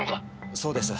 そうです。